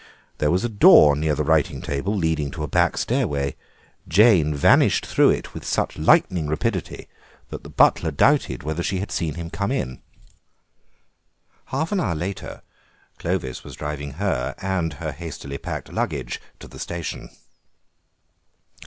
There was a door near the writing table leading to a back stairway; Jane vanished through it with such lightning rapidity that the butler doubted whether she had seen him come in. Half an hour later Clovis was driving her and her hastily packed luggage to the station.